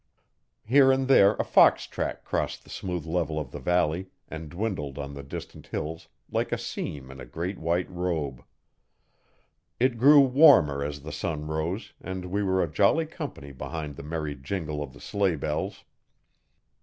Here and there a fox track crossed the smooth level of the valley and dwindled on the distant hills like a seam in a great white robe. It grew warmer as the sun rose, and we were a jolly company behind the merry jingle of the sleigh bells.